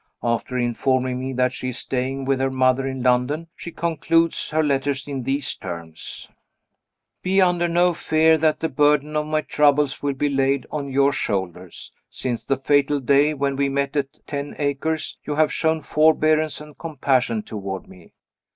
After informing me that she is staying with her mother in London, she concludes her letter in these terms: "Be under no fear that the burden of my troubles will be laid on your shoulders. Since the fatal day when we met at Ten Acres, you have shown forbearance and compassion toward me.